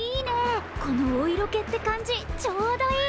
このおいろけってかんじちょうどいい！